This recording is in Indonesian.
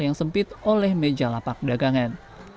yang sempit oleh meja lapak dagangan